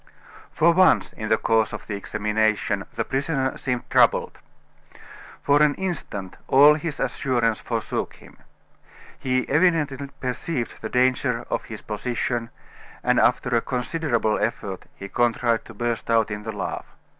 For once, in the course of the examination, the prisoner seemed troubled. For an instant all his assurance forsook him. He evidently perceived the danger of his position, and after a considerable effort he contrived to burst out in a laugh.